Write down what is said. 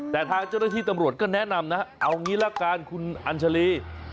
แต่ทางเจ้าหน้าที่ตำรวจก็แนะนำนะเอางี้ละกันคุณอัญชาลี